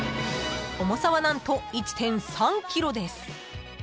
［重さは何と１．３ｋｇです］